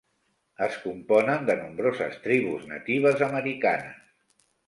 Es componen de nombroses tribus natives Americanes.